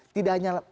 tidak hanya itu